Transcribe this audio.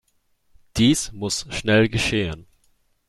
Dies muss schnell geschehen.